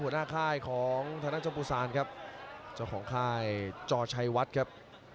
หัวหน้าค่ายของธนาจมปุษรครับเจ้าของค่ายจอชัยวัดครับ